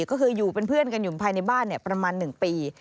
ก็คืออยู่เป็นเพื่อนกันอยู่ภายในบ้านประมาณ๑ปี